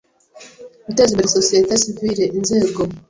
guteza imbere Sosiyete Sivile inzego